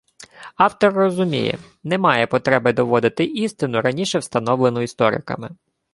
Автор розуміє – немає потреби доводити істину, раніше встановлену істориками